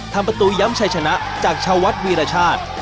ทำประตูย้ำชัยชนะจากชาววัดวีรชาติ